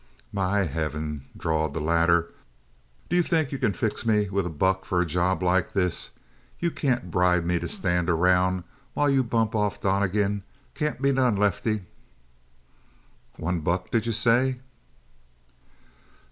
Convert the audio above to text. "My heavens," drawled the latter. "D'you think you can fix me with a buck for a job like this? You can't bribe me to stand around while you bump off Donnegan. Can't be done, Lefty!" "One buck, did you say?"